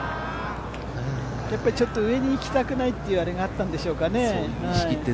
やっぱりちょっと上に行きたくないというあれがあったんですかね。